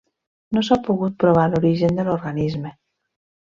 No s'ha pogut provar l'origen de l'organisme.